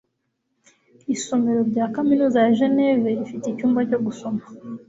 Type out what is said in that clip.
isomero rya kaminuza ya jeneve rifite icyumba cyo gusoma